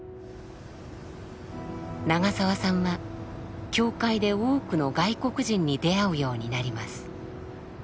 長澤さんは教会で多くの外国人に出会うようになります。